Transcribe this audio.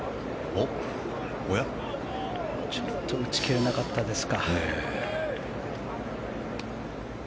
ちょっと打ち切れなかったですか。